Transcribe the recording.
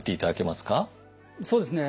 そうですね。